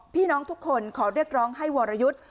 พี่น้องทุกคนขอเรียกร้องให้วรยุทธ์